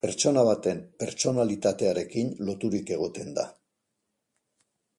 Pertsona baten pertsonalitatearekin loturik egoten da.